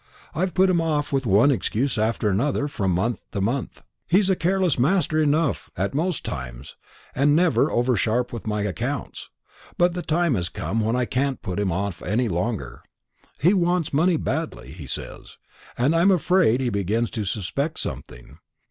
I've put him off with one excuse after another from month to month. He's a careless master enough at most times, and never over sharp with my accounts. But the time has come when I can't put him off any longer. He wants money badly, he says; and I'm afraid he begins to suspect something.